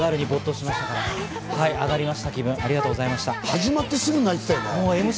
始まってすぐ泣いてたよね。